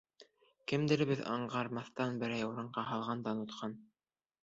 Кемебеҙҙер аңғармаҫтан берәй урынға һалған да онотҡан.